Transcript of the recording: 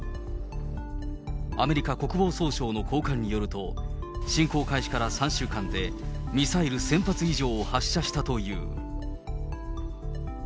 アメリカ国防総省の高官によると、侵攻開始から３週間で、ミサイル１０００発以上を発射したという。